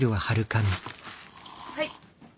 はい。